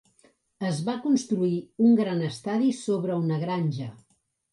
Es va construir un gran estadi sobre una granja.